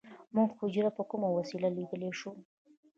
موږ حجره په کومه وسیله لیدلی شو